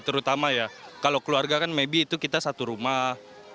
terutama ya kalau keluarga kan mebi itu kita satu rumah